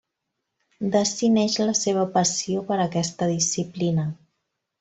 D'ací neix la seva passió per aquesta disciplina.